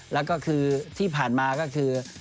แล้วก็คือที่ผ่านมาก็คือ